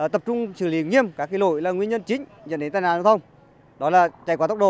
tập trung xử lý nghiêm các cái lỗi là nguyên nhân chính dẫn đến tài nạn hóa thông đó là chạy quá tốc độ